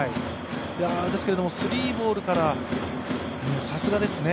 ですけれども、スリーボールからさすがですね。